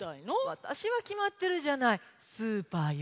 わたしはきまってるじゃないスーパーよ。